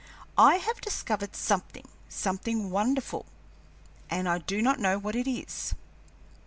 I have discovered something something wonderful and I do not know what it is.